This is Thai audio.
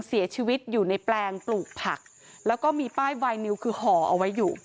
เสียชีวิตอยู่ในแปลงปลูกผักแล้วก็มีป้ายวายนิวคือห่อเอาไว้อยู่